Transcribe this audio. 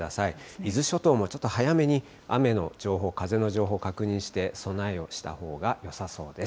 伊豆諸島もちょっと早めに雨の情報、風の情報、確認して備えをしたほうがよさそうです。